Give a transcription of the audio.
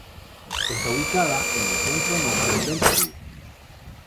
Está ubicada en el centro norte del Perú.